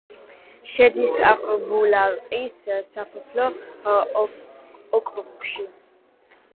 შედის აყბულაყის სასოფლო ოკრუგში.